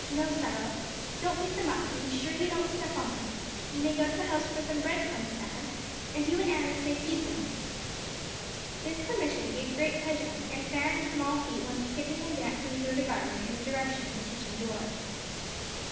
No, Cyril, don't pick them up, and be sure you don't step on them. You may go to the house for some bread crumbs, Fan, and you and Annis may feed them." This permission gave great pleasure, and Fan's small feet went skipping and dancing through the garden in the direction of the kitchen door.